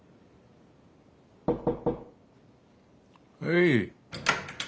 はい。